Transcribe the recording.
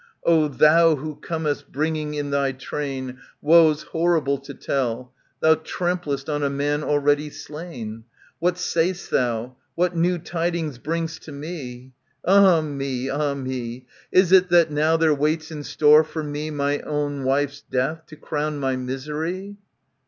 ] O thou who comest, bringing in thy train Woes horrible to tell, Thou tramplest on a man already slain. What say'st thou ? What new tidings bring'st to me ? Ah me ! ah me ! i2w Is it that now there waits in store for me My ovvn wife's death to crown my misery